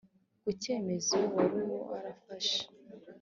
kucyemezo wari warafashe